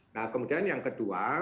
nah kemudian yang kedua